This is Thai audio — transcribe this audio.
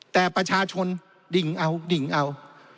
แต่ประชาชนดิ่งเอาดิ่งเอา